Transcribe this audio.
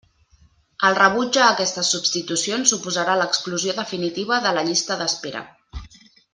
El rebuig a aquestes substitucions suposarà l'exclusió definitiva de la llista d'espera.